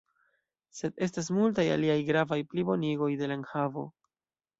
Sed estas multaj aliaj gravaj plibonigoj de la enhavo.